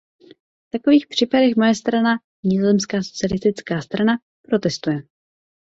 V takových případech moje strana, nizozemská socialistická strana, protestuje.